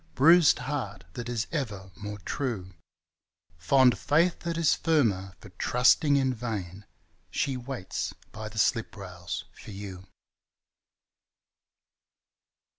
Bruised heart that is ever more true, Fond faith that is firmer for trusting in vain — She waits by the slip rails for you.